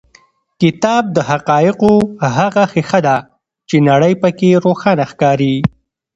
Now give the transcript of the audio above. کتاب د حقایقو هغه ښیښه ده چې نړۍ په کې روښانه ښکاري.